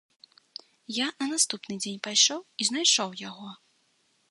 Я на наступны дзень пайшоў і знайшоў яго.